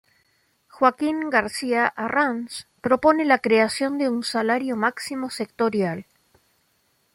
Joaquín García Arranz propone la creación de un salario máximo sectorial.